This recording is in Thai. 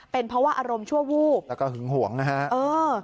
เป็นเพราะว่าอารมณ์ชั่ววูบแล้วก็หึงหวงนะฮะเออ